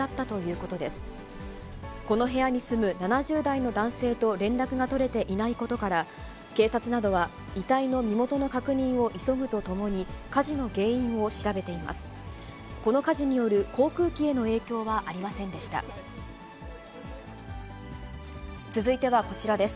この部屋に住む、７０代の男性と連絡が取れていないことから警察などは、遺体の身元の確認を急ぐとともに、火事の原因を調べています。